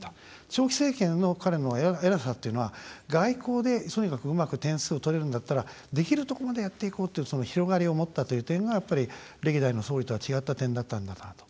長期政権の彼の偉さっていうのは外交で、とにかくうまく点数、取れるんだったらできるとこまでやっていこうという広がりを持ったという点が歴代の総理とは違った点だったんだなと。